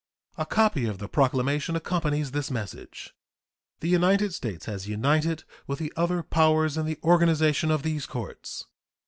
A copy of the proclamation accompanies this message. The United States has united with the other powers in the organization of these courts.